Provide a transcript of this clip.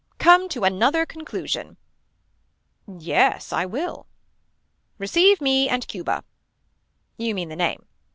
Come to another conclusion. Yes I will. Receive me and Cuba. You mean the name.